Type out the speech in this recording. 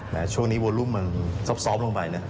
แหม่ช่วงนี้วลุมมันซอบลงไปเนี่ย